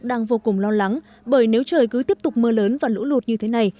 đang vô cùng lo lắng bởi nếu trời cứ tiếp tục mưa lớn và lũ lụt như thế này